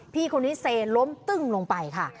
พี่คนนี้เซล้มตึ้งลงไปค่ะ